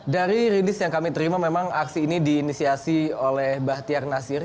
dari rilis yang kami terima memang aksi ini diinisiasi oleh bahtiar nasir